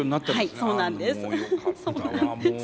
そうなんです。